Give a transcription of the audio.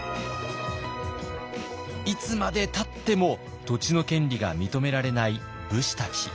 いつまでたっても土地の権利が認められない武士たち。